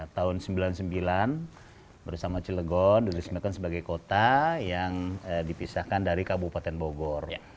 tahun seribu sembilan ratus sembilan puluh sembilan bersama cilegon dirismikan sebagai kota yang dipisahkan dari kabupaten bogor